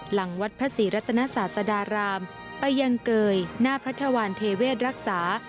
หลังวัดพระศรีรัตนศาสดารามไปยังเกยหน้าพระธวารเทเวศรักษา